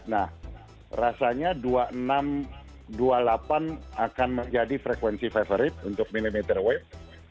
nah rasanya dua puluh enam dua puluh delapan akan menjadi frekuensi favorit untuk millimeter wave